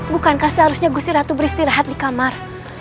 bukankah seharusnya gusiratu beristirahat di kamar